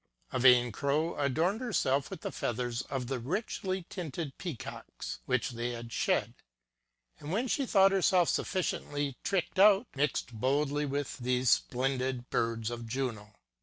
A VAIN Crow adorned herself with the feathers of the richly tinted Peacocks, which they had shed, and when she thought herself sufficiently tricked out, mixed boldly with these splendid birds of Juno.